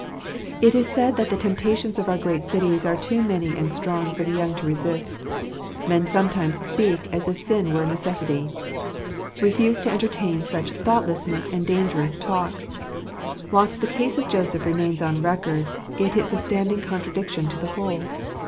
It is said that the temptations of our great cities are too many and strong for the young to resist. Men sometimes speak as if sin were a necessity. Refuse to entertain such thoughtlessness and dangerous talk. Whilst the case of Joseph remains on record, it is a standing contradiction to the whole.